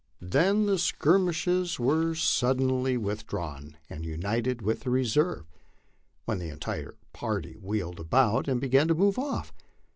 Then the skirmishers were suddenly MY LIFE ON THE PLAINS. 41 withdrawn and united with the reserve, when the entire party wheeled about and began to move off.